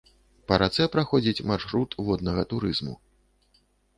Па рацэ праходзіць маршрут воднага турызму.